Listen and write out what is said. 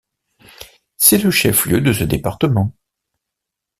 C'est le chef-lieu de ce département.